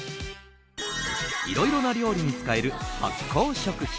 いろいろな料理に使える発酵食品。